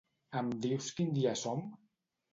Em dius quin dia som?